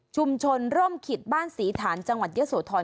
ชุมชนร่มขิดบ้านสีฐานจังหวัดเยอะโสทร